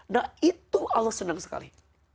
nah itu allah senang sekali